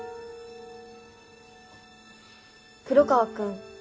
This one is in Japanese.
黒川くん